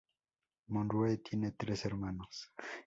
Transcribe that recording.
Monroe tiene tres hermanos.